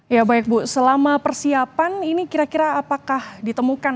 ya baik bu selama persiapan ini kira kira apakah ditemukan